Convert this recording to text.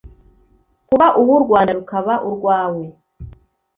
kuba uw u Rwanda rukaba urwawe